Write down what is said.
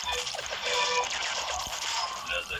او حتی نه د عبدالقادر خان خټک